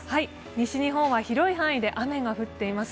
西日本は広い範囲で雨が降っています。